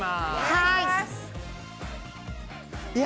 はい。